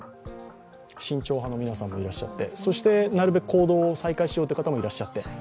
慎重派の皆さんもいらっしゃって、行動を再開しようという方もいらっしゃって。